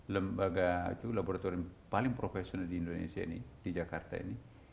lembaga itu laboratorium paling profesional di indonesia ini di jakarta ini